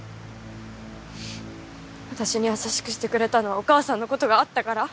私に優しくしてくれたのはお母さんのことがあったから？